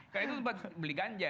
karena itu buat beli ganja